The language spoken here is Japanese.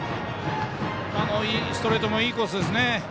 あのストレートもいいコースでしたね。